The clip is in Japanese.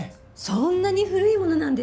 そんなに古いものなんですか？